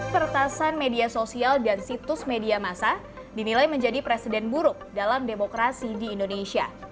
pertasan media sosial dan situs media masa dinilai menjadi presiden buruk dalam demokrasi di indonesia